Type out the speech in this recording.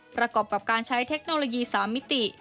ประกอบกับการใช้เทคโนโลยี๓มิติ